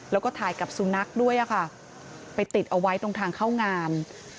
แล้วก็ถ่ายกับสุนัขด้วยค่ะไปติดเอาไว้ตรงทางเข้างาน